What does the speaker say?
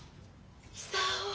久男。